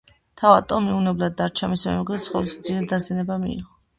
თავად ტომი უვნებლად დარჩა, მისმა მეგობარმა კი სხეულის მძიმე დაზიანება მიიღო.